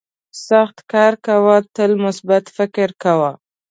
سخت کار کوه تل مثبت فکر کوه.